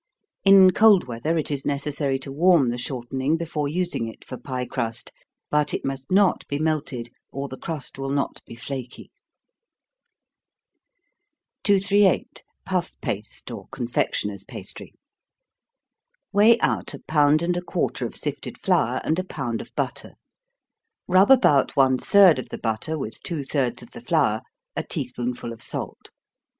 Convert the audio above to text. In cold weather it is necessary to warm the shortening before using it for pie crust, but it must not be melted, or the crust will not be flaky. 238. Puff Paste, or Confectioner's Pastry. Weigh out a pound and a quarter of sifted flour, and a pound of butter. Rub about one third of the butter with two thirds of the flour, a tea spoonful of salt.